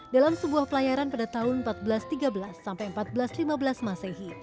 dalam sebuah pelayaran pada tahun seribu empat ratus tiga belas sampai seribu empat ratus lima belas masehi